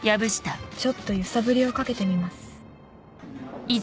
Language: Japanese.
ちょっと揺さぶりをかけてみます。